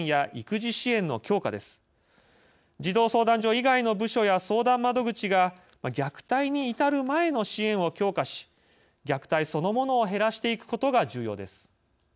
児童相談所以外の部署や相談窓口が虐待に至る前の支援を強化し虐待そのものを減らしていくことが重要です。